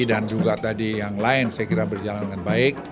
dan juga tadi yang lain saya kira berjalan dengan baik